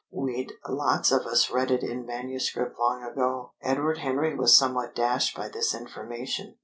"We'd lots of us read it in manuscript long ago." Edward Henry was somewhat dashed by this information.